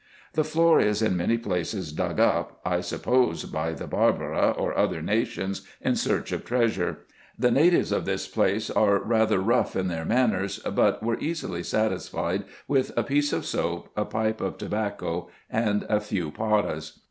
The floor is in many places dug up, I suppose by the Barabra or other nations, in search of treasure. The natives of this place are rather rough in their manners, but were easily satisfied with a piece of soap, a pipe of tobacco, and a few paras.